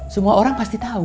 semua orang pasti tau